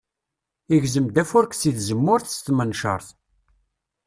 Igzem-d afurek seg tzemmurt s tmenčart.